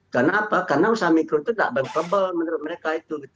karena apa karena usaha mikro itu tidak bankable menurut mereka